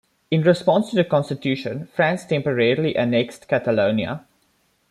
In response to the constitution, France temporarily annexed Catalonia.